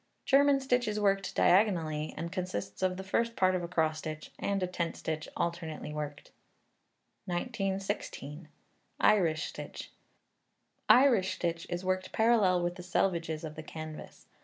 German stitch is worked diagonally, and consists of the first part of a cross stitch, and a tent stitch alternately worked. 1916. Irish Stitch. Irish stitch is worked parallel with the selvedges of the canvas.